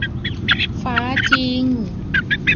ฟ้าจริง